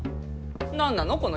何なの？